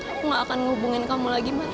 aku akan hubungin kamu